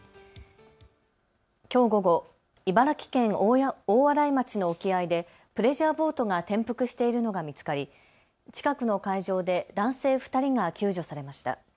きょう午後、茨城県大洗町の沖合でプレジャーボートが転覆しているのが見つかり近くの海上で男性２人が救助されました。